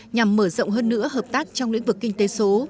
nhằm mở rộng hơn nữa hợp tác trong lĩnh vực kinh tế số